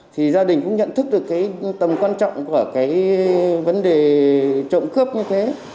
thì gia đình cũng nhận thức được tầm quan trọng của vấn đề trộm cướp như thế